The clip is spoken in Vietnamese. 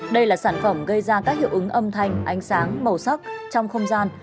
đây là sản phẩm gây ra các hiệu ứng âm thanh ánh sáng màu sắc trong không gian